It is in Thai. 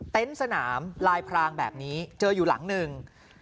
สนามลายพรางแบบนี้เจออยู่หลังหนึ่ง